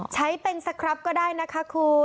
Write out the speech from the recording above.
ใช้เป็นสครับก็ได้นะคะคุณ